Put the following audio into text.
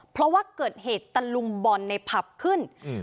เพราะว่าเกิดเหตุตะลุมบอลในผับขึ้นอืม